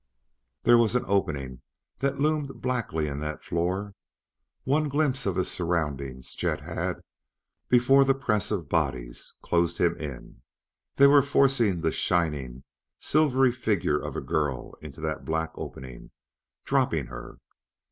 There was an opening that loomed blackly in that floor; one glimpse of his surroundings Chet had before the press of bodies closed him in. They were forcing the shining, silvery figure of a girl into that black opening dropping her!